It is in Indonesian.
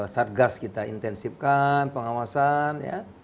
satgas kita intensifkan pengawasan